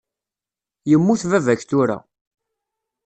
Yemmut baba-k tura.